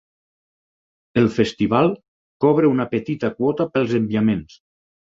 El Festival cobra una petita quota pels enviaments.